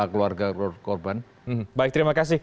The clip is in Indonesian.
keluarga korban baik terima kasih